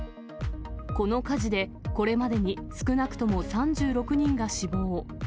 この火事で、これまでに少なくとも３６人が死亡。